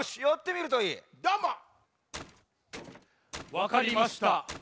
わかりました。